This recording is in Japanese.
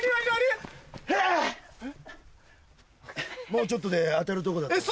もうちょっとで当たるとこだった。